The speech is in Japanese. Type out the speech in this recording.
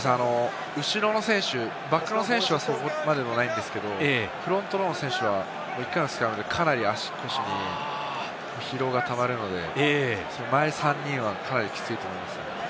後ろの選手、バックスの選手は、そうでもないんですけれども、フロントローの選手はかなり足腰に疲労がたまるので、３人はかなりきついと思います。